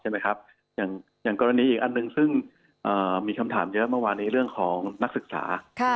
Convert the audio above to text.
อย่างกรณีอีกอันหนึ่งซึ่งมีคำถามเยอะเมื่อวานนี้เรื่องของนักศึกษา